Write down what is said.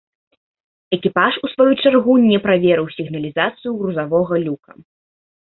Экіпаж у сваю чаргу не праверыў сігналізацыю грузавога люка.